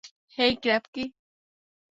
হেই, Krupke!